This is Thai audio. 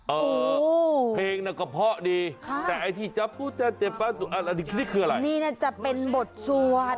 อันนี้เนี่ยจะเป็นบทสวท